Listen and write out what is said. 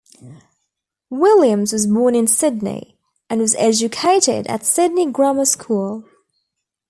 Williams was born in Sydney, and was educated at Sydney Grammar School.